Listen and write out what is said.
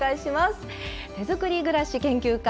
手作り暮らし研究家